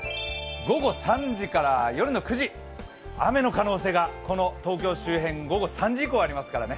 午後３時から夜の９時、雨の可能性がこの東京周辺、午後３時以降はありますからね